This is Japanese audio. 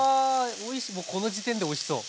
おおもうこの時点でおいしそう。